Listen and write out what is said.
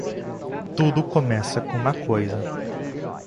Tudo começa com uma coisa.